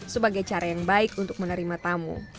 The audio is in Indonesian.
sebagai cara yang baik untuk menerima tamu